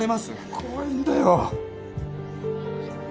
怖いんだよ